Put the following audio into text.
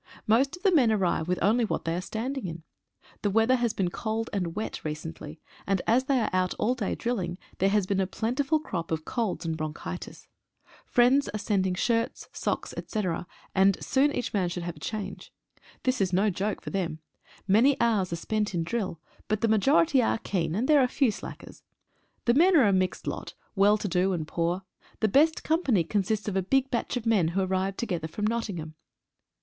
Most of the men arrive with only what they are standing in. The weather has been cold and wet recently, and as they are out all day drilling, there has been a plentiful crop of colds and bronchitis. Friends are sending shirts, socks, etc., and soon each man should have a change. This is 3 OPEN AIR LECTURES. no joke for them. Many hours are spent in drill, but the majority are keen, and there are few slackers. The fifen are a mixed lot — well to do and poor. The best company consists of a big batch of men who arrived together from Nottingham.